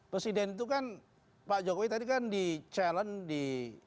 presiden itu kan pak jokowi tadi kan di challenge di